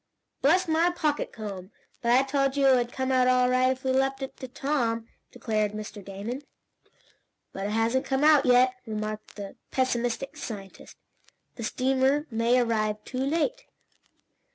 "Bless my pocket comb! But I told you it would come out all right, if we left it to Tom!" declared Mr. Damon. "But it hasn't come out yet," remarked the pessimistic scientist. "The steamer may arrive too late."